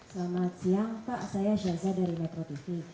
selamat siang pak saya syaza dari metro tv